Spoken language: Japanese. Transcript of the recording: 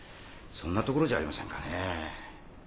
そんなところじゃありませんかねぇ。